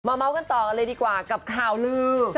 เมาส์กันต่อกันเลยดีกว่ากับข่าวลือ